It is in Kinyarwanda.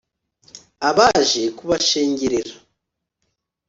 abaje kubashengerera